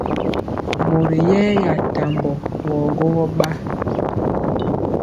Mori yɛya tambɔ wɔ gwogɔ ɓa.